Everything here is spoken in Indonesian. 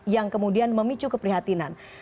yang kemudian memicu keprihatinan